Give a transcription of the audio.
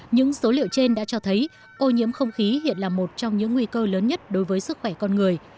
những số liệu trên đã cho thấy ô nhiễm không khí hiện là một trong những nguy cơ lớn nhất đối với sức khỏe con người